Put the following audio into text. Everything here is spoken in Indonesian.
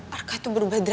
arka tuh berubah drastis ya